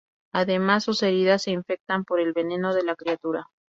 Además, sus heridas se infectan por el veneno de la criatura.